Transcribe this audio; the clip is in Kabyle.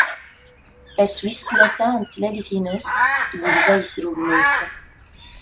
Ass wis tlata n tlalit-ines, yebda yesrugmut.